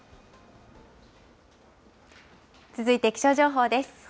続いて気象情報です。